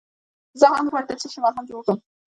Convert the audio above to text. د زخم لپاره د څه شي ملهم جوړ کړم؟